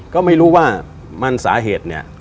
ก็ไม่รู้ว่ามันสาเหตุเนี่ย